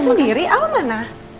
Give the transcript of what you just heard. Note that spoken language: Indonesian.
ini sendiri al nana